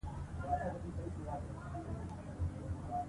ژوند د ښو اړیکو په ساتلو سره اوږدېږي.